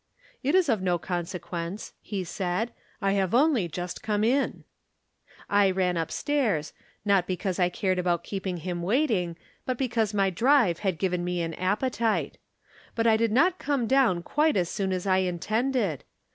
"It is of no consequence," he said. "I have only just come in." I ran up stairs, not because I cared about keep ing him waiting, but because my drive had given me an appetite. But I did not come down quite as soon as I intended.